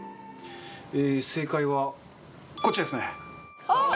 正解はこっちですねあっ！